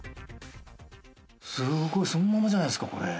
すごいそのままじゃないですかこれ。